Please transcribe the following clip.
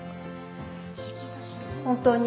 本当に。